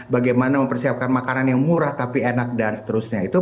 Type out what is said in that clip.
bagaimana mempersiapkan makanan yang murah tapi enak dan seterusnya